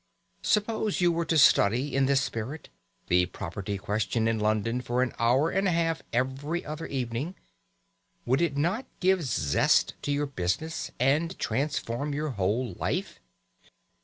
Suppose you were to study, in this spirit, the property question in London for an hour and a half every other evening. Would it not give zest to your business, and transform your whole life?